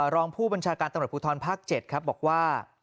รองผู้บัญชาการตำรวจภูทรภาค๗ครับบอกว่า